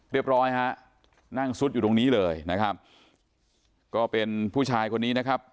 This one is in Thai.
ร้อยฮะนั่งซุดอยู่ตรงนี้เลยนะครับก็เป็นผู้ชายคนนี้นะครับ